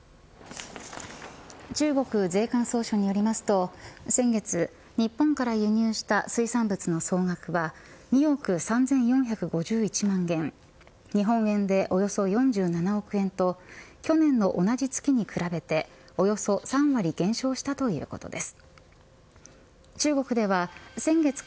中国税関総署によりますと先月、日本から輸入した水産物の総額は２億３４５１万元日本円でおよそ４７億円と去年の同じ月に比べておよそ３割減少したということです。